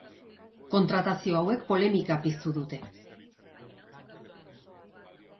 Kontratazio hauek polemika piztu dute.